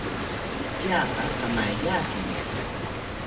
Tyapa kamaiyakini